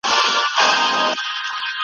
غلی غلی را روان تر منځ د ژرګو `